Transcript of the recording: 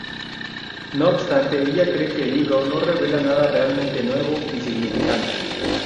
No obstante, ella cree que el libro no revela nada realmente nuevo y significante.